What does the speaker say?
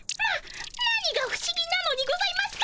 何がふしぎなのにございますか？